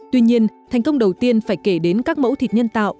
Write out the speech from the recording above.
tuy nhiên thành công đầu tiên phải kể đến các mẫu thịt nhân tạo